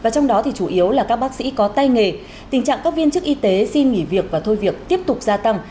trong đó thì chủ yếu là các bác sĩ có tay nghề tình trạng các viên chức y tế xin nghỉ việc và thôi việc tiếp tục gia tăng